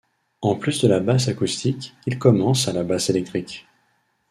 En plus de la basse acoustique, il commence à la basse électrique.